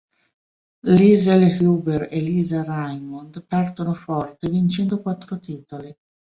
Liezel Huber e Lisa Raymond partono forte vincendo quattro titoli.